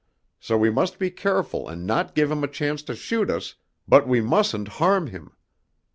So we must be careful and not give him a chance to shoot us but we mustn't harm him!"